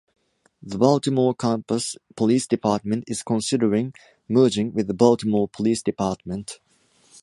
The Baltimore Campus Police Department is considering merging with the Baltimore Police Department.